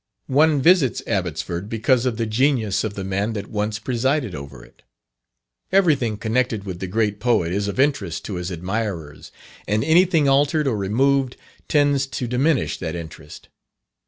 One visits Abbotsford because of the genius of the man that once presided over it. Everything connected with the great Poet is of interest to his admirers, and anything altered or removed, tends to diminish that interest.